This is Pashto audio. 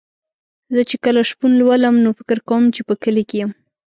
زه چې کله شپون لولم نو فکر کوم چې په کلي کې یم.